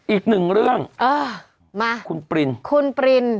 อีกหนึ่งเรื่องเออมาคุณปรินคุณปริน